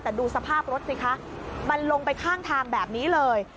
แต่ดูสภาพรถสิคะมันลงไปข้างทางแบบนี้เลย